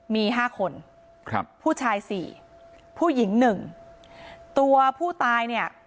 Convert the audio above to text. มีห้าคนครับผู้ชายสี่ผู้หญิงหนึ่งตัวผู้ตายเนี่ย